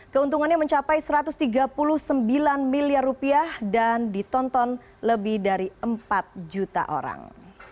keuntungannya mencapai satu ratus tiga puluh sembilan miliar rupiah dan ditonton lebih dari empat juta orang